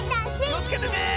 きをつけてね！